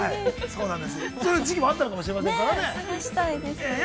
そういう時期もあったのかもしれませんけどね。